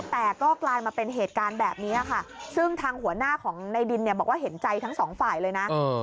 แต่ก็กลายมาเป็นเหตุการณ์แบบนี้ค่ะซึ่งทางหัวหน้าของในดินเนี่ยบอกว่าเห็นใจทั้งสองฝ่ายเลยนะ